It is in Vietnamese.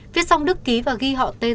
viết xong đức ký và ghi họ tên